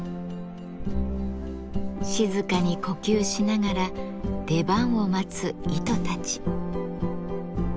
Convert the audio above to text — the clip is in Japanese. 静かに呼吸しながら出番を待つ糸たち。